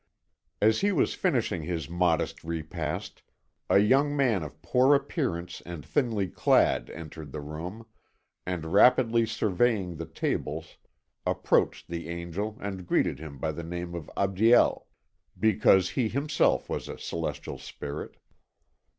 As he was finishing his modest repast, a young man of poor appearance and thinly clad entered the room, and rapidly surveying the tables approached the angel and greeted him by the name of Abdiel, because he himself was a celestial spirit.